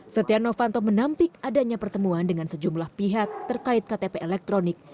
setia novanto menampik adanya pertemuan dengan sejumlah pihak terkait ktp elektronik